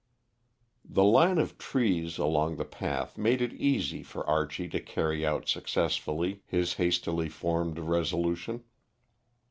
The line of trees along the path made it easy for Archie to carry out successfully his hastily formed resolution.